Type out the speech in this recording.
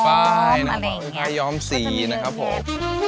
ผ้าย้อมสีนะครับผม